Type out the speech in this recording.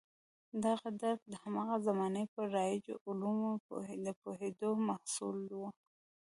دغه درک د هماغه زمانې پر رایجو علومو د پوهېدو محصول و.